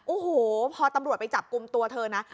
โอ้โหพอตำรวจไปจับกลุ่มตัวเธอนะ